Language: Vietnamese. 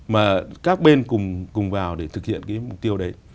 mà các bên cùng cùng vào để thực hiện cái mục tiêu đấy